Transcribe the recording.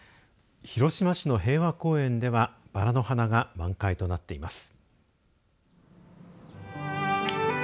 広島市の平和公園ではバラの花が満開となっています。